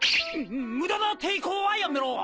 無駄な抵抗はやめろ！